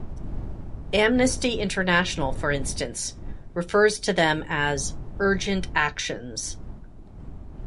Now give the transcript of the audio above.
Amnesty International, for instance, refers to them as "Urgent actions".